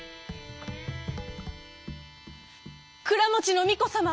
「くらもちのみこさま。